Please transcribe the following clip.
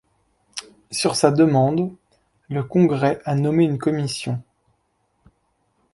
Sur sa demande, le Congrès a nommé une commission.